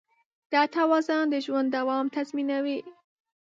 دا توازن د ژوند دوام تضمینوي.